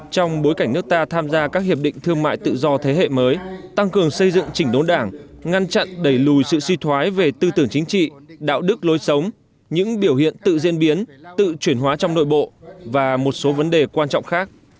trong bối cảnh nước ta tham gia các hiệp định thương mại tự do thế hệ mới tăng cường xây dựng chỉnh đốn đảng ngăn chặn đẩy lùi sự suy thoái về tư tưởng chính trị đạo đức lối sống những biểu hiện tự diễn biến tự chuyển hóa trong nội bộ và một số vấn đề quan trọng khác